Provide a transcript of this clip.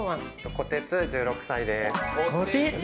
こてつ、１６歳です。